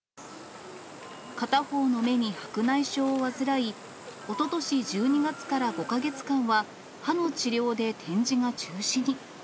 片方の目に白内障を患い、おととし１２月から５か月間は、歯の治療で展示が中止に。